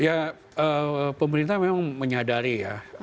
ya pemerintah memang menyadari ya